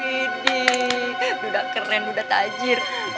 bidi duda keren duda tajir